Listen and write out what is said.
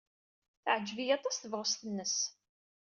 Teɛjeb-iyi aṭas tebɣest-nnes.